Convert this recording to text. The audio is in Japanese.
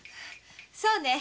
そうね。